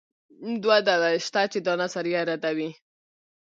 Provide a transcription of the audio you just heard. دوه دلایل شته چې دا نظریه ردوي.